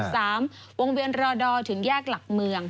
จุด๓วงเวียนรดถึงแยกหลักเมือง